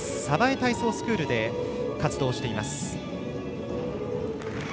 鯖江体操スクールで活動しています。